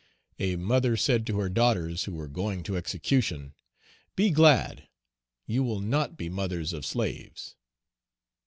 A mother said to her daughters who were going to execution, "Be glad; you will not be mothers of slaves."